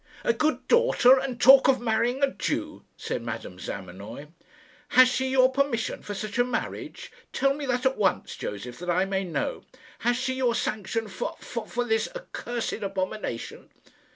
"A good daughter, and talk of marrying a Jew!" said Madame Zamenoy. "Has she your permission for such a marriage? Tell me that at once, Josef, that I may know. Has she your sanction for for for this accursed abomination?"